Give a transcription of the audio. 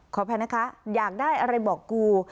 ขออภัยนะคะอยากได้อะไรบอกกู